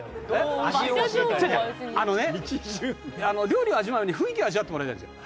料理を味わう前に雰囲気を味わってもらいたいんですよ。